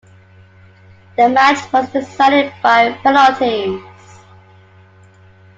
The match was decided by penalties.